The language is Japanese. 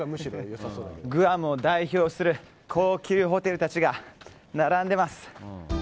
グアムを代表する高級ホテルたちが並んでます。